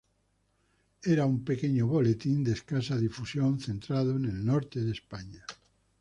Era un pequeño boletín de escasa difusión, centrado en el norte de España.